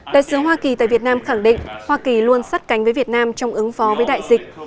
đại sứ hoa kỳ tại việt nam khẳng định hoa kỳ luôn sắt cánh với việt nam trong ứng phó với đại dịch